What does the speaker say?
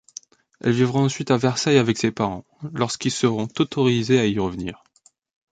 Elle vivra ensuite à Versailles avec ses parents, lorsqu'ils seront autorisés à y revenir.